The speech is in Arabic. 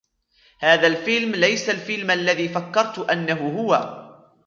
هذا الفيلم ليس الفيلم الذي فكرت انه هو.